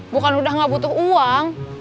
bukan udah nggak butuh uang